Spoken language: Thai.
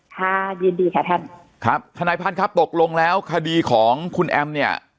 ค่ะยินดีค่ะท่านครับทนายพันธ์ครับตกลงแล้วคดีของคุณแอมเนี่ย